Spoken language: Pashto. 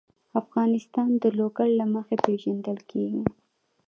افغانستان د لوگر له مخې پېژندل کېږي.